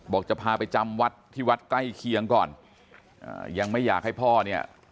จะพาไปจำวัดที่วัดใกล้เคียงก่อนอ่ายังไม่อยากให้พ่อเนี่ย